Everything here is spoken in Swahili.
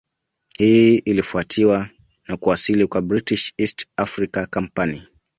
Hii ilifuatiwa na kuwasili kwa British East Africa Company